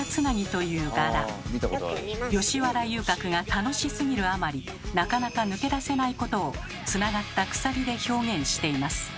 吉原遊郭が楽しすぎるあまりなかなか抜け出せないことをつながった鎖で表現しています。